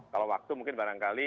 kalau waktu mungkin barangkali